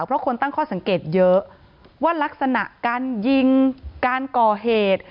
เพราะคนตั้งข้อสังเกตเยอะว่ารักษณะการยิงการก่อเหตุ